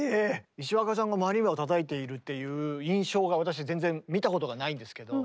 石若さんがマリンバをたたいているっていう印象が私全然見たことがないんですけど。